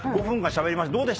５分間しゃべりました。